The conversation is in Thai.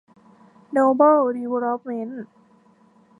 โนเบิล ดีเวลลอปเมนท์